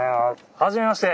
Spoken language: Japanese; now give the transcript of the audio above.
はじめまして。